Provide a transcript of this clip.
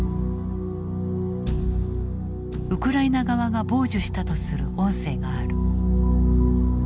ウクライナ側が傍受したとする音声がある。